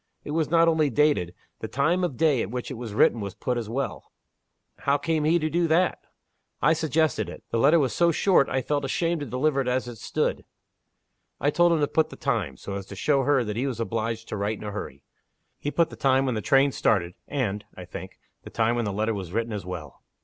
It was not only dated. The time of day at which it was written was put as well." "How came he to do that?" "I suggested it. The letter was so short I felt ashamed to deliver it as it stood. I told him to put the time so as to show her that he was obliged to write in a hurry. He put the time when the train started; and (I think) the time when the letter was written as well."